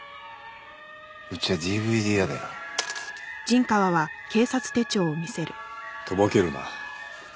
うちはＤＶＤ屋だよ。とぼけるな。